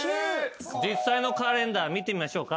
実際のカレンダー見てみましょうか。